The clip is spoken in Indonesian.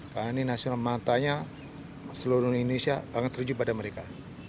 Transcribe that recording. karena ini nasional matanya seluruh indonesia akan terju pada mereka